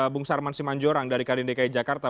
bung sarman simanjorang dari kadin dki jakarta